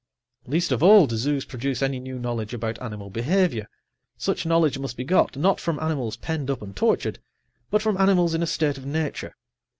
Least of all do zoos produce any new knowledge about animal behavior. Such knowledge must be got, not from animals penned up and tortured, but from animals in a state of nature.